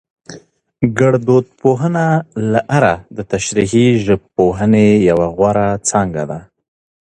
ګړدود پوهنه له اره دتشريحي ژبپوهنې يوه غوره څانګه ده